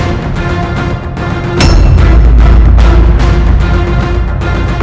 untuk mendampingi rancang rancang